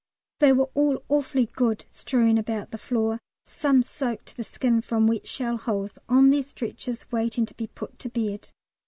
They were all awfully good strewing about the floor some soaked to the skin from wet shell holes on their stretchers, waiting to be put to bed.